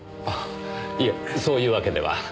いえそういうわけでは。